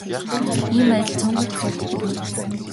Ийм байдал цөөнгүй тохиолддог юм.